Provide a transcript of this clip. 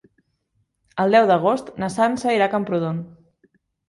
El deu d'agost na Sança irà a Camprodon.